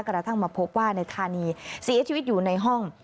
กระทั่งมาพบว่าในธานีเสียชีวิตอยู่ในห้อง